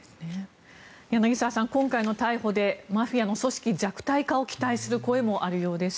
柳澤さん、今回の逮捕でマフィアの組織弱体化を期待する声もあるようです。